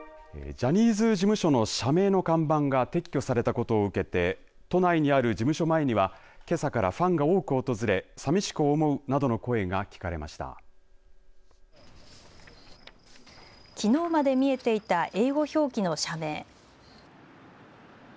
ジャニーズ事務所の社名の看板が撤去されたことを受けて都内にある事務所前にはけさからファンが多く訪れさみしく思うなどの声がきのうまで見えてきた英語表記の社名。